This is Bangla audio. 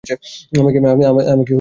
আমাকে কেন মারছেন, স্যার?